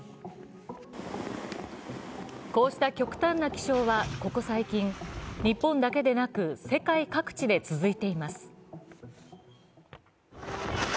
こうした極端な気象はここ最近、日本だけでなく世界各地で続いています。